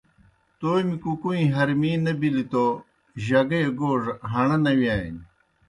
تومیْ کُکُوئیں حرمی نہ بِلیْ تو جگے گوڙہ ہݨہ نہ ویانیْ